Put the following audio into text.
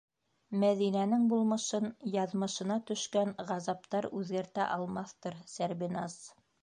Мәҙинәнең булмышын яҙмышына төшкән ғазаптар үҙгәртә алмаҫтыр, Сәрбиназ.